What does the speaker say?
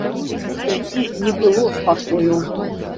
У мяне не было спакою.